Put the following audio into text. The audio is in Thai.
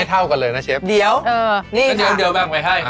อันนี้ให้เท่ากันเลยนะเชฟเดี๋ยวนี่ค่ะเดี๋ยวแบ่งไว้ให้ค่ะ